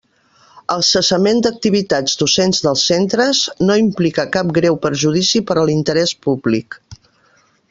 El cessament d'activitats docents dels centres no implica cap greu perjudici per a l'interès públic.